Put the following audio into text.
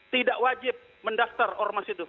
tidak wajib mendaftar ormas itu